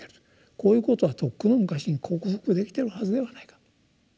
こういうことはとっくの昔に克服できてるはずではないかと。